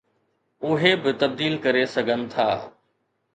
اهي به تبديل ڪري سگهن ٿا.